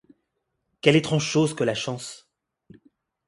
Quelle étrange chose que la chance!